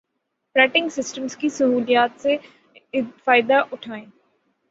پریٹنگ systems کی سہولیات سے فائدہ اٹھائیں